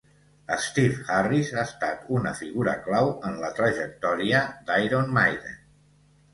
Steve Harris ha estat una figura clau en la trajectòria d'Iron Maiden